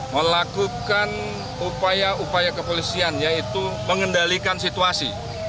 melakukan upaya upaya kepolisian yaitu mengendalikan situasi